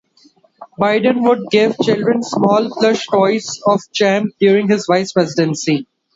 Biden would give children small plush toys of Champ during his vice presidency.